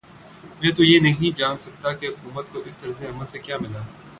میں تو یہ نہیں جان سکا کہ حکومت کو اس طرز عمل سے کیا ملا؟